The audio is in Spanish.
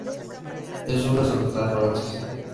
Es una santa francesa.